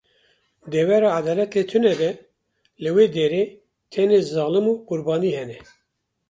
Devera edalet lê tune be, li wê derê tenê zalim û qurbanî hene.